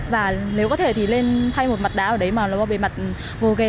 và nếu có thể thì lên thay một mặt đá ở đấy mà nó bề mặt bồ ghề